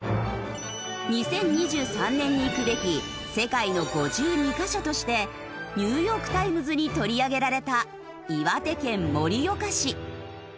２０２３年に行くべき世界の５２カ所として『ニューヨーク・タイムズ』に取り上げられた岩手県盛岡市。